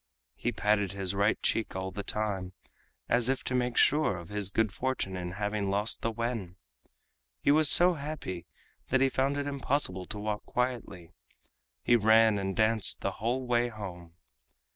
He patted his right cheek all the time, as if to make sure of his good fortune in having lost the wen. He was so happy that he found it impossible to walk quietly—he ran and danced the whole way home.